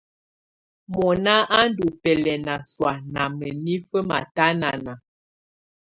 Mɔ̀nà à ndù bɛlɛna sɔ̀á nà mǝ́nifǝ́ matanana.